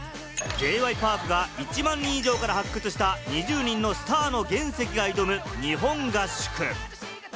Ｊ．Ｙ．Ｐａｒｋが１万人以上から発掘した２０人のスターの原石が挑む日本合宿。